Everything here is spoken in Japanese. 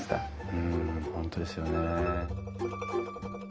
うん本当ですよね。